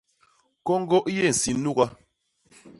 Kôñgô i yé nsi nuga.